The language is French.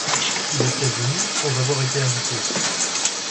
Il était venu sans avoir été invité.